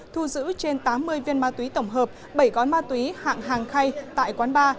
thu giữ trên tám mươi viên ma túy tổng hợp bảy gói ma túy hạng hàng khay tại quán ba